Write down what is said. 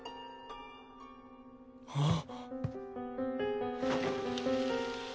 ああ。